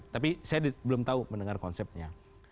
tapi saya belum tahu mendengar konsepnya